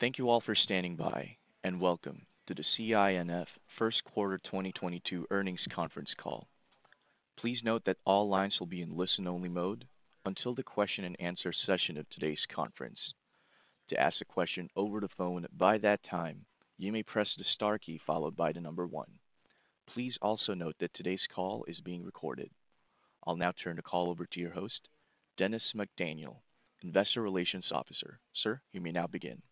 Thank you all for standing by, and welcome to the CINF First Quarter 2022 Earnings Conference Call. Please note that all lines will be in listen-only mode until the question and answer session of today's conference. To ask a question over the phone by that time, you may press the star key followed by the number one. Please also note that today's call is being recorded. I'll now turn the call over to your host, Dennis McDaniel, Investor Relations Officer. Sir, you may now begin.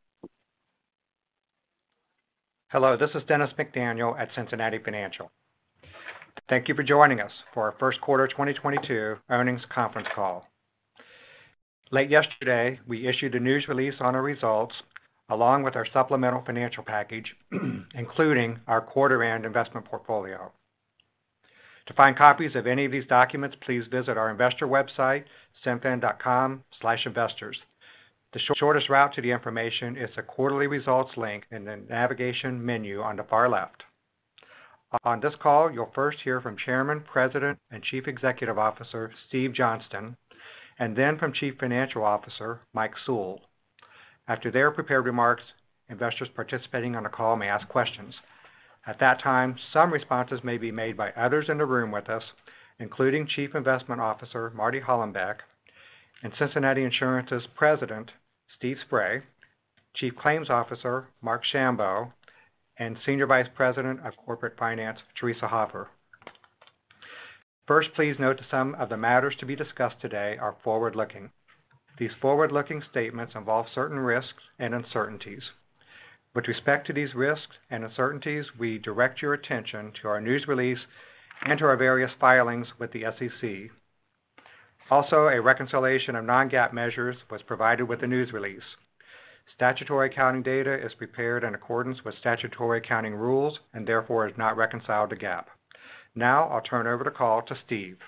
Hello, this is Dennis McDaniel at Cincinnati Financial. Thank you for joining us for our first quarter 2022 earnings conference call. Late yesterday, we issued a news release on our results along with our supplemental financial package, including our quarter-end investment portfolio. To find copies of any of these documents, please visit our investor website, cinfin.com/investors. The shortest route to the information is the quarterly results link in the navigation menu on the far left. On this call, you'll first hear from Chairman, President, and Chief Executive Officer Steve Johnston, and then from Chief Financial Officer Mike Sewell. After their prepared remarks, investors participating on the call may ask questions. At that time, some responses may be made by others in the room with us, including Chief Investment Officer Marty Hollenbeck, and Cincinnati Insurance's President, Steve Spray, Chief Claims Officer Marc Schambow, andc. First, please note that some of the matters to be discussed today are forward-looking. These forward-looking statements involve certain risks and uncertainties. With respect to these risks and uncertainties, we direct your attention to our news release and to our various filings with the SEC. Also, a reconciliation of non-GAAP measures was provided with the news release. Statutory accounting data is prepared in accordance with statutory accounting rules and therefore is not reconciled to GAAP. Now, I'll turn over the call to Steve.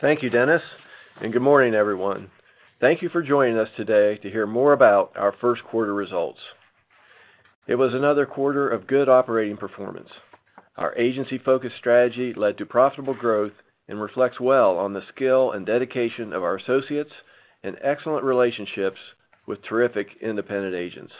Thank you, Dennis, and good morning, everyone. Thank you for joining us today to hear more about our first quarter results. It was another quarter of good operating performance. Our agency-focused strategy led to profitable growth and reflects well on the skill and dedication of our associates and excellent relationships with terrific independent agents.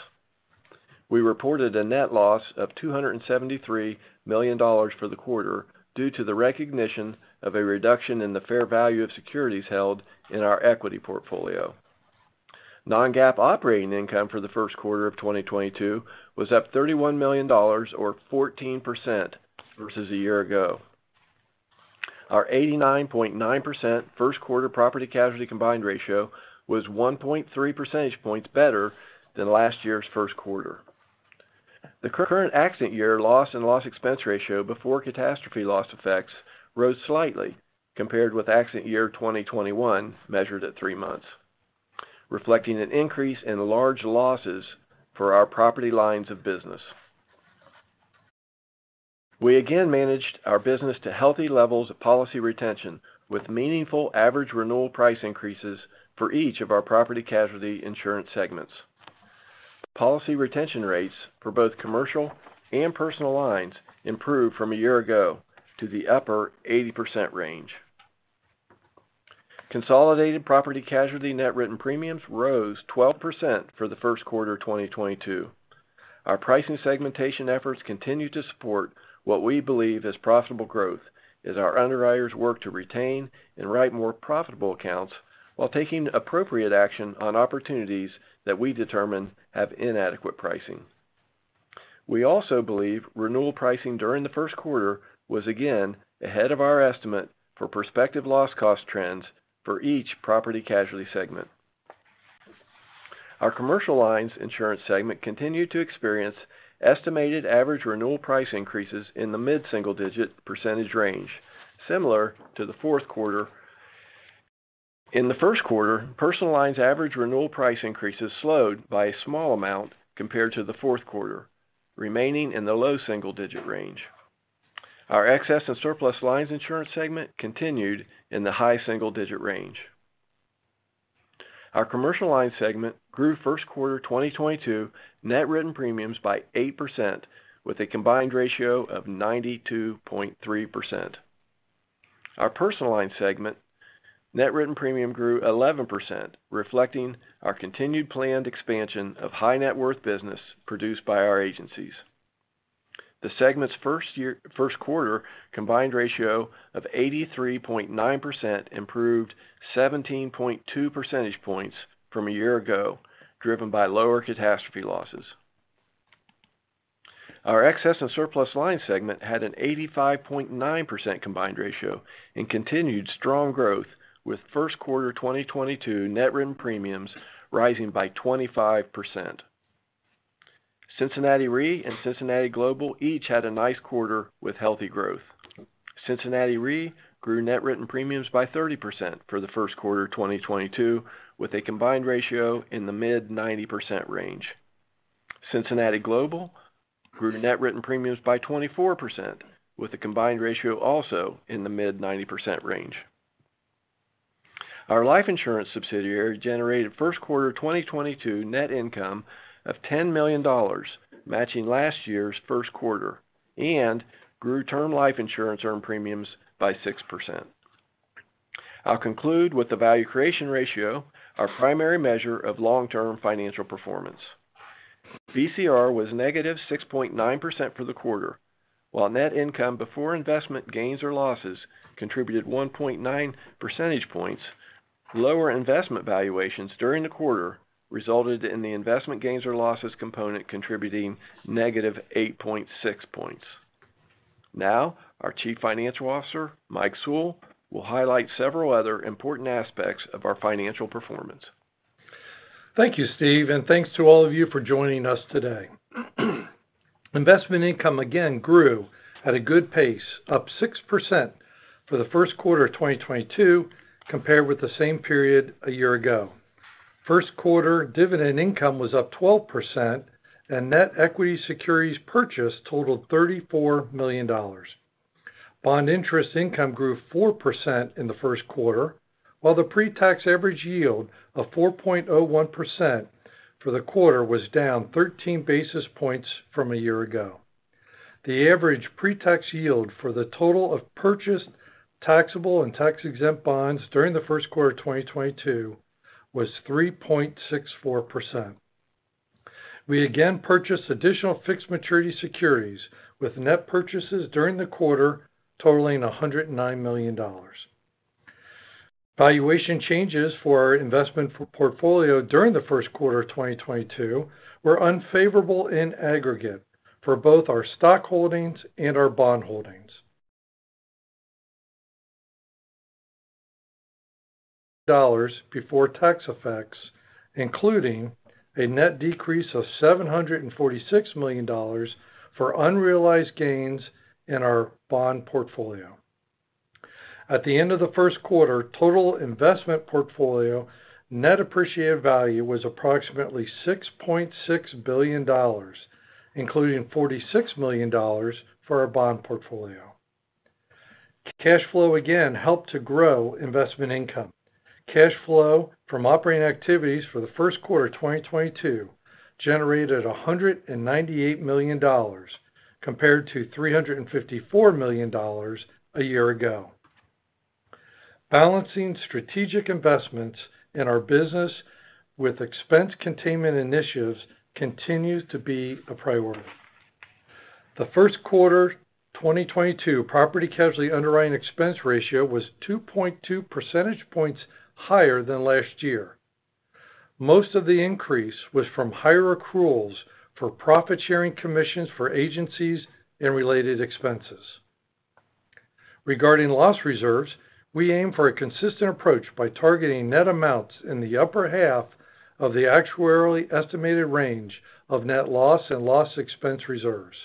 We reported a net loss of $273 million for the quarter due to the recognition of a reduction in the fair value of securities held in our equity portfolio. Non-GAAP operating income for the first quarter of 2022 was up $31 million or 14% versus a year ago. Our 89.9% first quarter property casualty combined ratio was 1.3 percentage points better than last year's first quarter. The current accident year loss and loss expense ratio before catastrophe loss effects rose slightly compared with accident year 2021 measured at three months, reflecting an increase in large losses for our property lines of business. We again managed our business to healthy levels of policy retention with meaningful average renewal price increases for each of our property casualty insurance segments. Policy retention rates for both commercial and personal lines improved from a year ago to the upper 80% range. Consolidated property casualty net written premiums rose 12% for the first quarter of 2022. Our pricing segmentation efforts continue to support what we believe is profitable growth as our underwriters work to retain and write more profitable accounts while taking appropriate action on opportunities that we determine have inadequate pricing. We also believe renewal pricing during the first quarter was again ahead of our estimate for prospective loss cost trends for each property casualty segment. Our commercial lines insurance segment continued to experience estimated average renewal price increases in the mid-single digit percentage range, similar to the fourth quarter. In the first quarter, personal lines average renewal price increases slowed by a small amount compared to the fourth quarter, remaining in the low single digit range. Our excess and surplus lines insurance segment continued in the high single digit range. Our commercial lines segment grew first quarter 2022 net written premiums by 8% with a combined ratio of 92.3%. Our personal lines segment net written premium grew 11%, reflecting our continued planned expansion of high net worth business produced by our agencies. The segment's first quarter combined ratio of 83.9% improved 17.2 percentage points from a year ago, driven by lower catastrophe losses. Our excess and surplus lines segment had an 85.9% combined ratio and continued strong growth with first quarter 2022 net written premiums rising by 25%. Cincinnati Re and Cincinnati Global each had a nice quarter with healthy growth. Cincinnati Re grew net written premiums by 30% for the first quarter of 2022, with a combined ratio in the mid-90% range. Cincinnati Global grew net written premiums by 24%, with a combined ratio also in the mid-90% range. Our life insurance subsidiary generated first quarter 2022 net income of $10 million, matching last year's first quarter, and grew term life insurance earned premiums by 6%. I'll conclude with the value creation ratio, our primary measure of long-term financial performance. VCR was -6.9% for the quarter. While net income before investment gains or losses contributed 1.9 percentage points, lower investment valuations during the quarter resulted in the investment gains or losses component contributing -8.6 points. Now, our Chief Financial Officer, Mike Sewell, will highlight several other important aspects of our financial performance. Thank you, Steve, and thanks to all of you for joining us today. Investment income again grew at a good pace, up 6% for the first quarter of 2022 compared with the same period a year ago. First quarter dividend income was up 12%, and net equity securities purchased totaled $34 million. Bond interest income grew 4% in the first quarter, while the pre-tax average yield of 4.01% for the quarter was down 13 basis points from a year ago. The average pre-tax yield for the total of purchased taxable and tax-exempt bonds during the first quarter of 2022 was 3.64%. We again purchased additional fixed maturity securities with net purchases during the quarter totaling $109 million. Valuation changes for our investment portfolio during the first quarter of 2022 were unfavorable in aggregate for both our stock holdings and our bond holdings. Dollars before tax effects, including a net decrease of $746 million for unrealized gains in our bond portfolio. At the end of the first quarter, total investment portfolio net appreciated value was approximately $6.6 billion, including $46 million for our bond portfolio. Cash flow again helped to grow investment income. Cash flow from operating activities for the first quarter of 2022 generated $198 million compared to $354 million a year ago. Balancing strategic investments in our business with expense containment initiatives continues to be a priority. The first quarter 2022 property casualty underwriting expense ratio was 2.2 percentage points higher than last year. Most of the increase was from higher accruals for profit-sharing commissions for agencies and related expenses. Regarding loss reserves, we aim for a consistent approach by targeting net amounts in the upper half of the actuarially estimated range of net loss and loss expense reserves.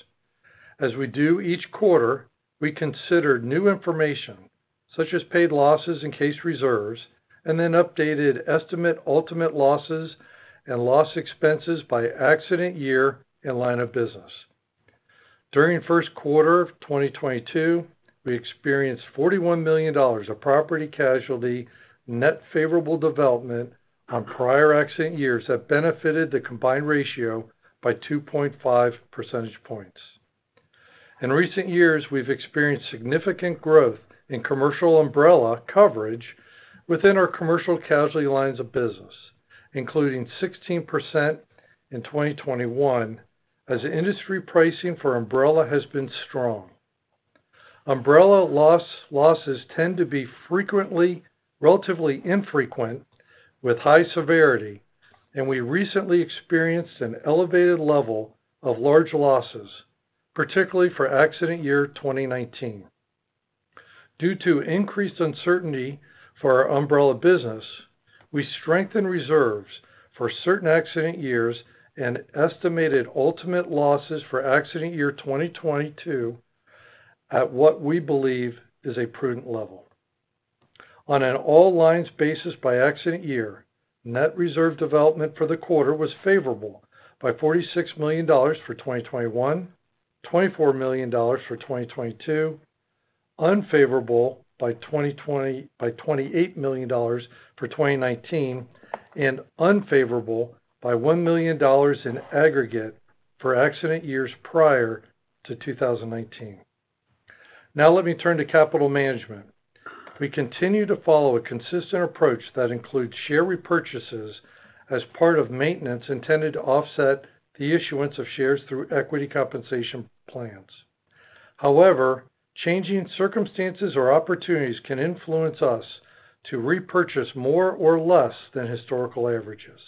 As we do each quarter, we consider new information such as paid losses and case reserves, and then updated estimate ultimate losses and loss expenses by accident year and line of business. During the first quarter of 2022, we experienced $41 million of property casualty net favorable development on prior accident years have benefited the combined ratio by 2.5 percentage points. In recent years, we've experienced significant growth in commercial umbrella coverage within our commercial casualty lines of business, including 16% in 2021 as industry pricing for umbrella has been strong. Umbrella losses tend to be relatively infrequent with high severity, and we recently experienced an elevated level of large losses, particularly for accident year 2019. Due to increased uncertainty for our umbrella business, we strengthened reserves for certain accident years and estimated ultimate losses for accident year 2022 at what we believe is a prudent level. On an all lines basis by accident year, net reserve development for the quarter was favorable by $46 million for 2021, $24 million for 2022, unfavorable by $28 million for 2019, and unfavorable by $1 million in aggregate for accident years prior to 2019. Now let me turn to capital management. We continue to follow a consistent approach that includes share repurchases as part of maintenance intended to offset the issuance of shares through equity compensation plans. However, changing circumstances or opportunities can influence us to repurchase more or less than historical averages.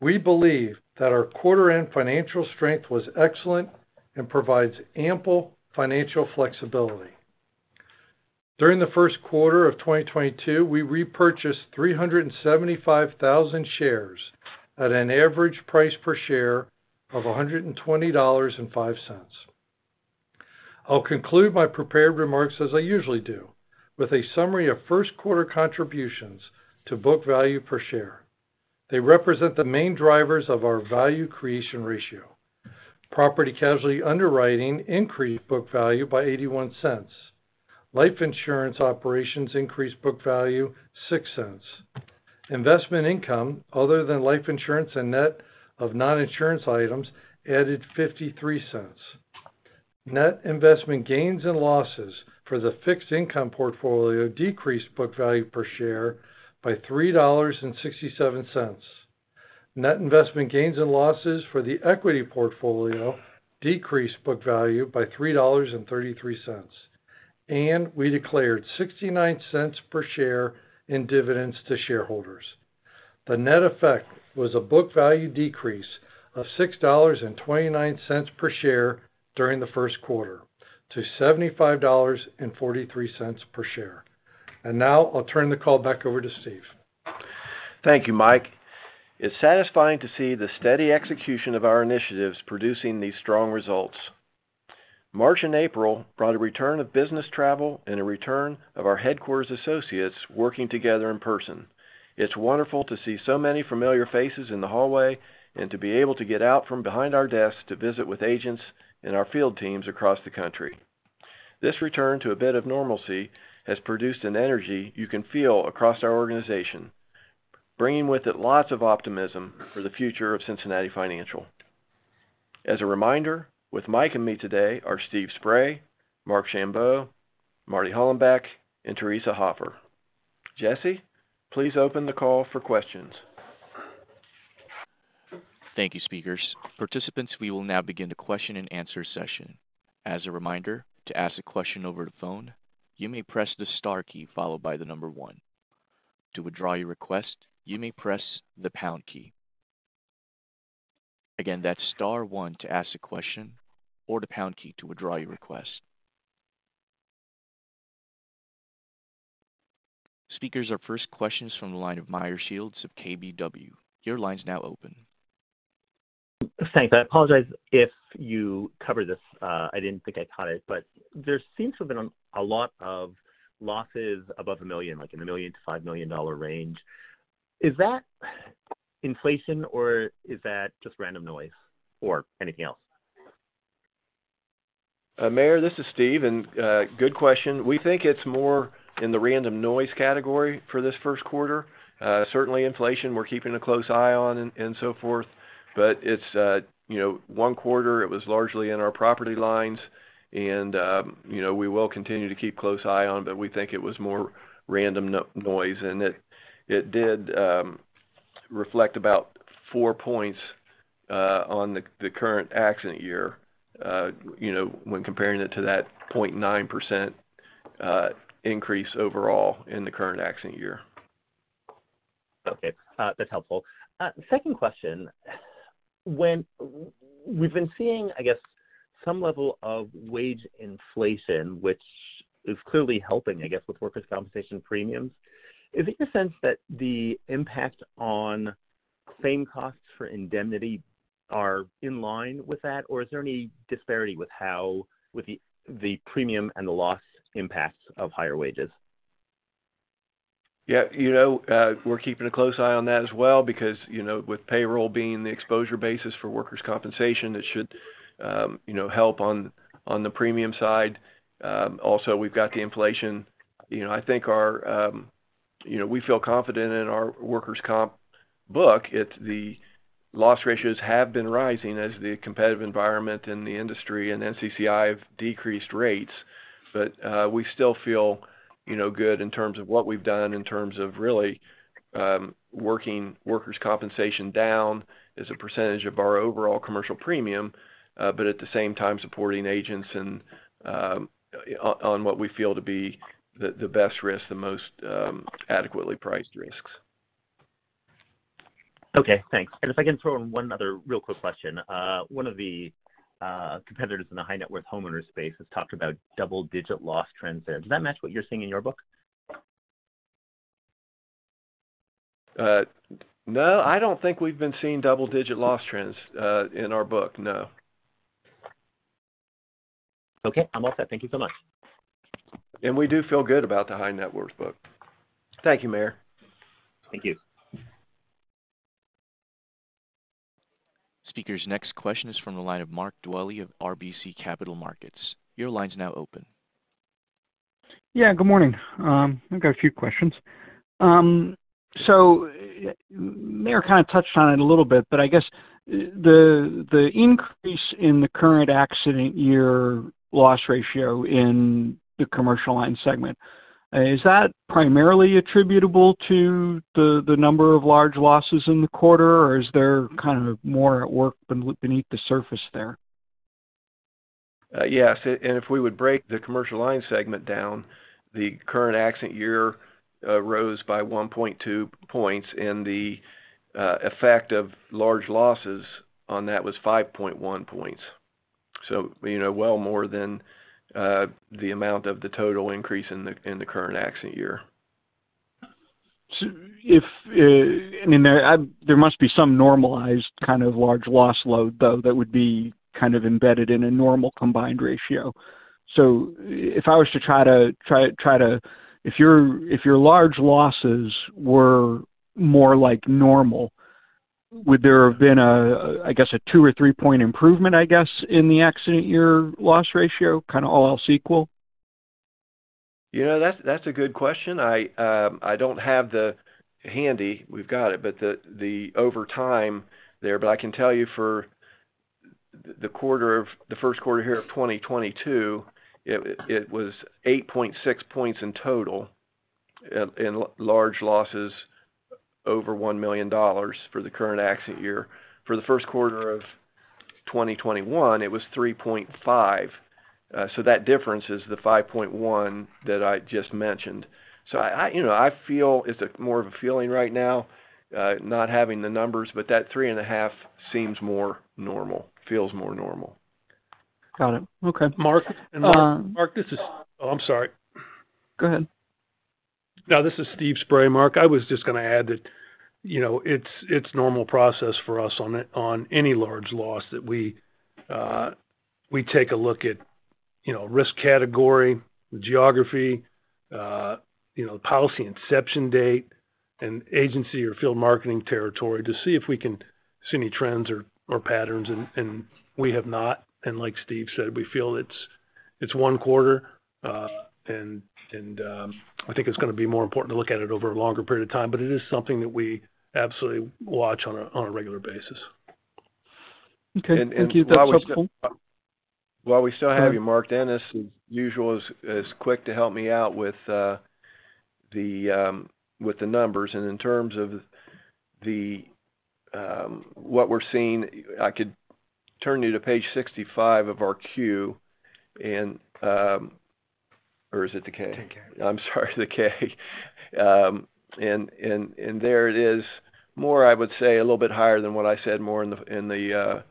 We believe that our quarter-end financial strength was excellent and provides ample financial flexibility. During the first quarter of 2022, we repurchased 375,000 shares at an average price per share of $120.05. I'll conclude my prepared remarks as I usually do with a summary of first quarter contributions to book value per share. They represent the main drivers of our value creation ratio. Property casualty underwriting increased book value by $0.81. Life insurance operations increased book value $0.06. Investment income other than life insurance and net of non-insurance items added $0.53. Net investment gains and losses for the fixed income portfolio decreased book value per share by $3.67. Net investment gains and losses for the equity portfolio decreased book value by $3.33. We declared $0.69 per share in dividends to shareholders. The net effect was a book value decrease of $6.29 per share during the first quarter to $75.43 per share. Now I'll turn the call back over to Steve. Thank you, Mike. It's satisfying to see the steady execution of our initiatives producing these strong results. March and April brought a return of business travel and a return of our headquarters associates working together in person. It's wonderful to see so many familiar faces in the hallway and to be able to get out from behind our desks to visit with agents and our field teams across the country. This return to a bit of normalcy has produced an energy you can feel across our organization, bringing with it lots of optimism for the future of Cincinnati Financial. As a reminder, with Mike and me today are Steve Spray, Marc Schambow, Marty Hollenbeck, and Teresa Hoffer. Jesse, please open the call for questions. Thank you, speakers. Participants, we will now begin the question and answer session. As a reminder, to ask a question over the phone, you may press the star key followed by the number one. To withdraw your request, you may press the pound key. Again, that's star one to ask a question or the pound key to withdraw your request. Speakers, our first question's from the line of Meyer Shields of KBW. Your line's now open. Thanks. I apologize if you covered this. I didn't think I caught it, but there seems to have been a lot of losses above $1 million, like in the $1 million-$5 million range. Is that inflation or is that just random noise or anything else? Meyer, this is Steve, and good question. We think it's more in the random noise category for this first quarter. Certainly inflation we're keeping a close eye on and so forth. It's you know, one quarter it was largely in our property lines and, you know, we will continue to keep close eye on, but we think it was more random noise and it did reflect about 4 points on the current accident year, you know, when comparing it to that 0.9% increase overall in the current accident year. Okay. That's helpful. Second question. We've been seeing, I guess, some level of wage inflation, which is clearly helping, I guess, with workers' compensation premiums. Is it your sense that the impact on claim costs for indemnity are in line with that? Or is there any disparity with the premium and the loss impacts of higher wages? Yeah, you know, we're keeping a close eye on that as well because, you know, with payroll being the exposure basis for workers' compensation, it should, you know, help on the premium side. Also we've got the inflation. You know, I think our, you know, we feel confident in our workers' comp book. It's the loss ratios have been rising as the competitive environment and the industry and NCCI have decreased rates. But we still feel, you know, good in terms of what we've done in terms of really, working workers' compensation down as a percentage of our overall commercial premium, but at the same time supporting agents and, on what we feel to be the best risk, the most, adequately priced risks. Okay, thanks. If I can throw in one other real quick question. One of the competitors in the high net worth homeowner space has talked about double-digit loss trends there. Does that match what you're seeing in your book? No, I don't think we've been seeing double-digit loss trends in our book. No. Okay. I'm all set. Thank you so much. We do feel good about the high net worth book. Thank you, Meyer. Thank you. Speakers, next question is from the line of Mark Dwelle of RBC Capital Markets. Your line's now open. Yeah, good morning. I've got a few questions. So Meyer kinda touched on it a little bit, but I guess the increase in the current accident year loss ratio in the commercial line segment is that primarily attributable to the number of large losses in the quarter, or is there kind of more at work beneath the surface there? Yes. If we would break the commercial line segment down, the current accident year rose by 1.2 points, and the effect of large losses on that was 5.1 points. You know, well more than the amount of the total increase in the current accident year. I mean, there must be some normalized kind of large loss load though that would be kind of embedded in a normal combined ratio. If your large losses were more like normal, would there have been a, I guess, two or three-point improvement, I guess, in the accident year loss ratio, kinda all else equal? You know, that's a good question. I don't have it handy. We've got it, but the overview there. I can tell you for the quarter of the first quarter here of 2022, it was 8.6 points in total in large losses over $1 million for the current accident year. For the first quarter of 2021, it was 3.5. So that difference is the 5.1 that I just mentioned. I, you know, I feel it's more of a feeling right now, not having the numbers, but that 3.5 seems more normal, feels more normal. Got it. Okay. Mark. Uh- Oh, I'm sorry. Go ahead. No, this is Steve Spray. Mark, I was just gonna add that, you know, it's normal process for us on it, on any large loss that we take a look at, you know, risk category, geography, you know, policy inception date, and agency or field marketing territory to see if we can see any trends or patterns, and we have not. Like Steve said, we feel it's one quarter. I think it's gonna be more important to look at it over a longer period of time, but it is something that we absolutely watch on a regular basis. Okay. Thank you. That's helpful. While we still have you, Mark, Dennis, as usual, is quick to help me out with the numbers. In terms of what we're seeing, I could turn you to page 65 of our Q. Or is it the K? I think K. I'm sorry, the K. I would say a little bit higher than what I said, more in the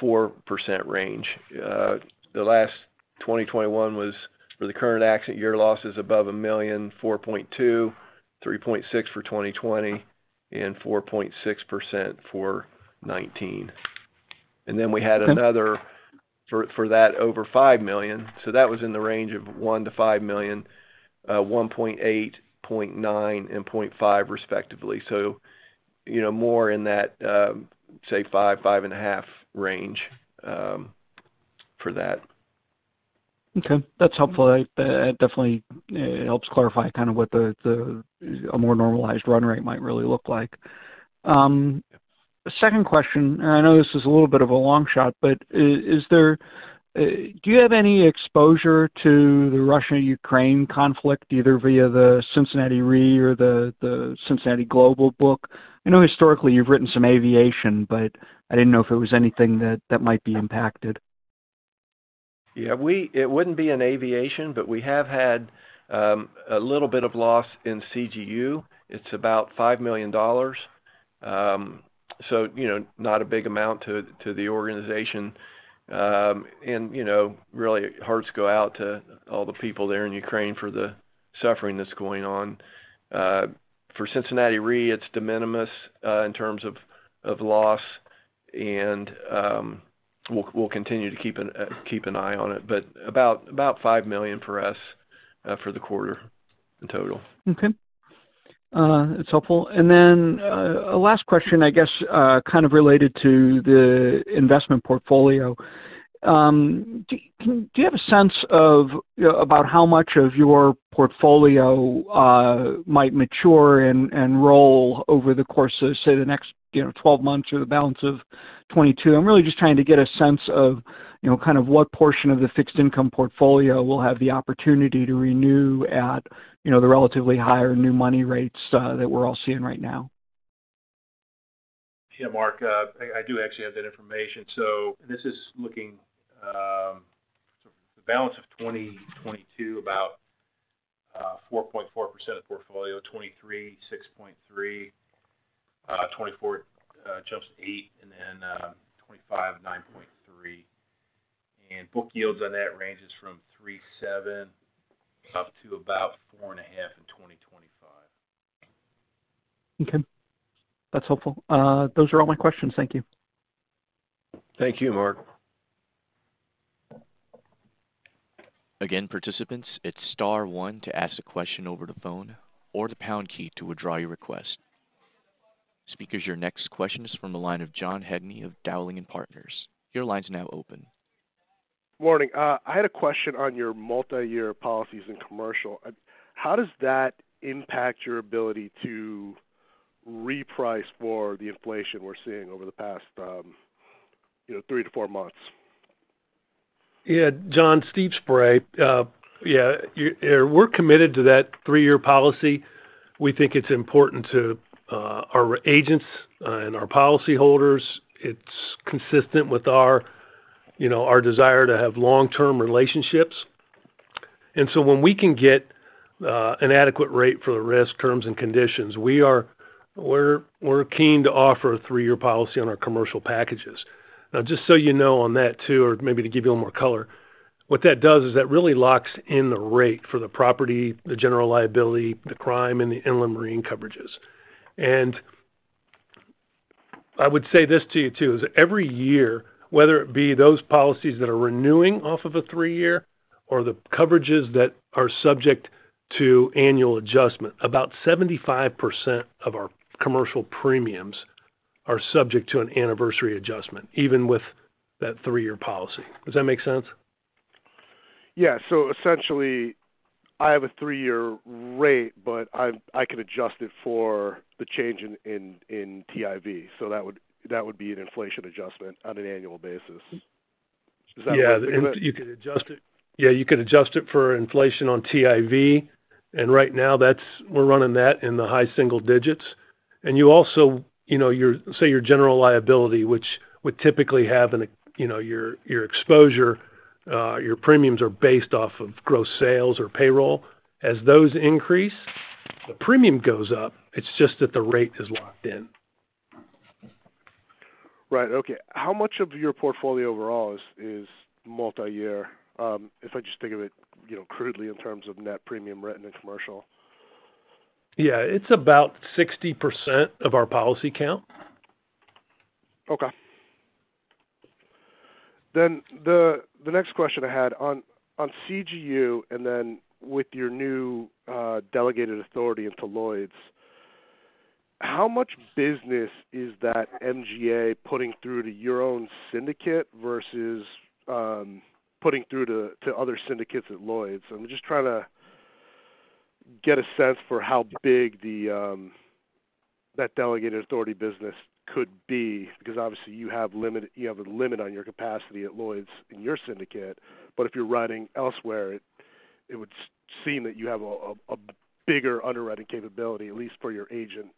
4% range. The last 2021 was for the current accident year losses above $1 million, 4.2, 3.6 for 2020, and 4.6% for 2019. Okay. We had another for that over $5 million. That was in the range of $1 million-$5 million, $1.8 million, $0.9 million, and $0.5 million respectively. You know, more in that, say $5 million-$5.5 million range, for that. Okay. That's helpful. That definitely helps clarify kind of what a more normalized run rate might really look like. Second question, and I know this is a little bit of a long shot, but do you have any exposure to the Russia-Ukraine conflict, either via the Cincinnati Re or the Cincinnati Global book? I know historically you've written some aviation, but I didn't know if it was anything that might be impacted. Yeah. It wouldn't be in aviation, but we have had a little bit of loss in CGU. It's about $5 million. So, you know, not a big amount to the organization. You know, really hearts go out to all the people there in Ukraine for the suffering that's going on. For Cincinnati Re, it's de minimis in terms of loss. We'll continue to keep an eye on it. About $5 million for us for the quarter in total. Okay. That's helpful. Last question, I guess, kind of related to the investment portfolio. Do you have a sense of, you know, about how much of your portfolio might mature and roll over the course of, say, the next, you know, 12 months or the balance of 2022? I'm really just trying to get a sense of, you know, kind of what portion of the fixed income portfolio will have the opportunity to renew at, you know, the relatively higher new money rates that we're all seeing right now. Yeah, Mark, I do actually have that information. This is looking the balance of 2022, about 4.4% of the portfolio, 2023, 6.3%. 2024 jumps to 8%, and then 2025, 9.3%. Book yields on that ranges from 3.7 up to about 4.5 in 2025. Okay. That's helpful. Those are all my questions. Thank you. Thank you, Mark. Again, participants, it's star one to ask a question over the phone or the pound key to withdraw your request. Speakers, your next question is from the line of John Heagney of Dowling & Partners. Your line's now open. Morning. I had a question on your multi-year policies in commercial. How does that impact your ability to reprice for the inflation we're seeing over the past three to four months? Yeah. John, Steve Spray. Yeah. We're committed to that three-year policy. We think it's important to our agents and our policyholders. It's consistent with our, you know, our desire to have long-term relationships. When we can get an adequate rate for the risk terms and conditions, we're keen to offer a three-year policy on our commercial packages. Now, just so you know on that, too, or maybe to give you more color, what that does is that really locks in the rate for the property, the general liability, the crime, and the inland marine coverages. I would say this to you, too, is every year, whether it be those policies that are renewing off of a 3-year or the coverages that are subject to annual adjustment, about 75% of our commercial premiums are subject to an anniversary adjustment, even with that 3-year policy. Does that make sense? Yeah. Essentially, I have a three-year rate, but I can adjust it for the change in TIV. That would be an inflation adjustment on an annual basis. Does that make sense? Yeah. You can adjust it. Yeah, you can adjust it for inflation on TIV. Right now that's. We're running that in the high single digits. You also, you know, say your general liability, which would typically have an, you know, your exposure, your premiums are based off of gross sales or payroll. As those increase, the premium goes up. It's just that the rate is locked in. Right. Okay. How much of your portfolio overall is multi-year? If I just think of it, you know, crudely in terms of net premium written in commercial. Yeah. It's about 60% of our policy count. Okay. The next question I had on CGU and then with your new delegated authority into Lloyd's, how much business is that MGA putting through to your own syndicate versus putting through to other syndicates at Lloyd's? I'm just trying to get a sense for how big that delegated authority business could be because obviously you have a limit on your capacity at Lloyd's in your syndicate, but if you're writing elsewhere, it would seem that you have a bigger underwriting capability at least for your agents.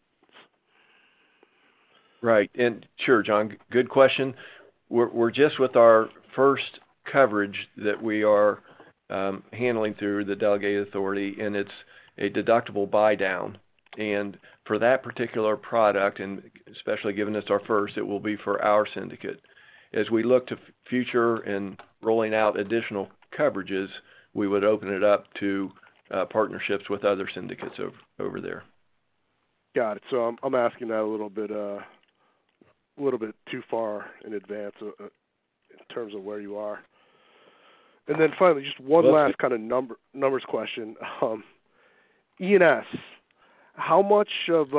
Right. Sure, John, good question. We're just with our first coverage that we are handling through the delegated authority, and it's a deductible buydown. For that particular product, and especially given it's our first, it will be for our syndicate. As we look to future and rolling out additional coverages, we would open it up to partnerships with other syndicates over there. Got it. I'm asking that a little bit too far in advance in terms of where you are. Then finally, just one last kind of numbers question. E&S, how much of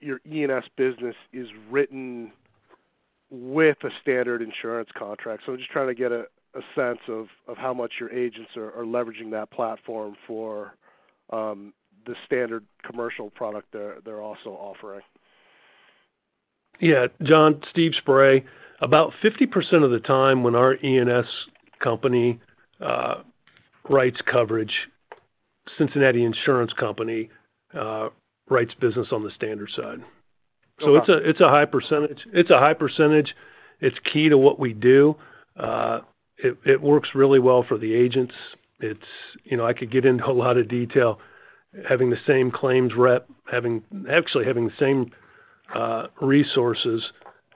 your E&S business is written with a standard insurance contract? I'm just trying to get a sense of how much your agents are leveraging that platform for the standard commercial product they're also offering. Yeah. John, Steve Spray. About 50% of the time when our E&S company writes coverage, Cincinnati Insurance Company writes business on the standard side. Okay. It's a high percentage. It's key to what we do. It works really well for the agents. You know, I could get into a lot of detail, having the same claims rep, actually having the same resources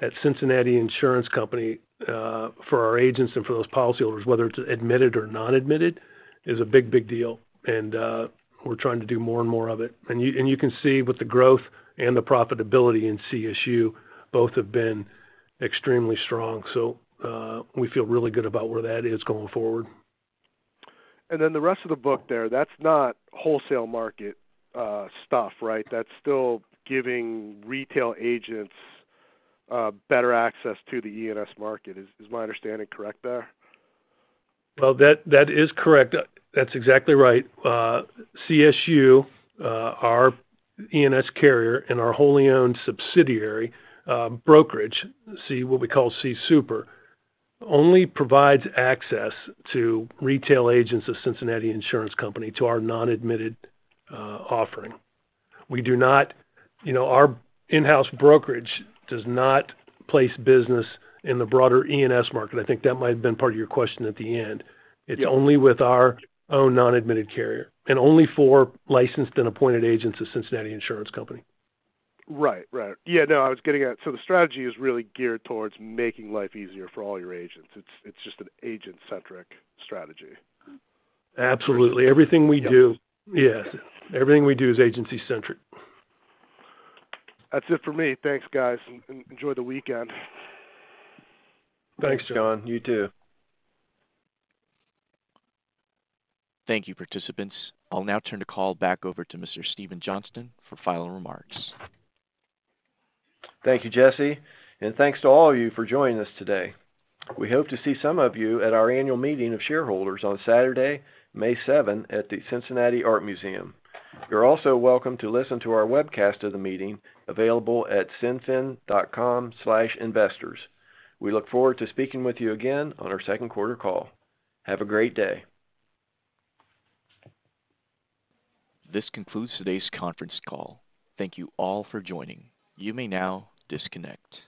at Cincinnati Insurance Company for our agents and for those policyholders, whether it's admitted or non-admitted, is a big, big deal. We're trying to do more and more of it. You can see with the growth and the profitability in CSU, both have been extremely strong. We feel really good about where that is going forward. The rest of the book there, that's not wholesale market stuff, right? That's still giving retail agents better access to the E&S market. Is my understanding correct there? Well, that is correct. That's exactly right. CSU, our E&S carrier and our wholly owned subsidiary brokerage, what we call CSU, only provides access to retail agents of Cincinnati Insurance Company to our non-admitted offering. We do not, you know, our in-house brokerage does not place business in the broader E&S market. I think that might have been part of your question at the end. Yeah. It's only with our own non-admitted carrier and only for licensed and appointed agents of Cincinnati Insurance Company. Right. Yeah. No, I was getting at, so the strategy is really geared towards making life easier for all your agents. It's just an agent-centric strategy. Absolutely. Everything we do. Yeah. Yes. Everything we do is agency-centric. That's it for me. Thanks, guys, and enjoy the weekend. Thanks, John. You too. Thank you, participants. I'll now turn the call back over to Mr. Steve Johnston for final remarks. Thank you, Jesse, and thanks to all of you for joining us today. We hope to see some of you at our annual meeting of shareholders on Saturday, May 7, at the Cincinnati Art Museum. You're also welcome to listen to our webcast of the meeting available at cinfin.com/investors. We look forward to speaking with you again on our second quarter call. Have a great day. This concludes today's conference call. Thank you all for joining. You may now disconnect.